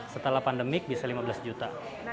setelah pandemik bisa lima belas juta